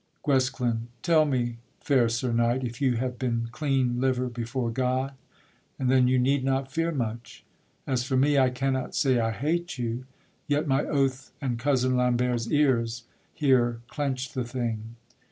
GUESCLIN. Tell me, fair sir knight, If you have been clean liver before God, And then you need not fear much; as for me, I cannot say I hate you, yet my oath, And cousin Lambert's ears here clench the thing.